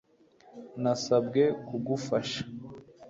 Nasabwe kugufasha